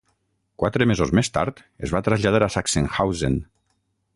Quatre mesos més tard es va traslladar a Sachsenhausen.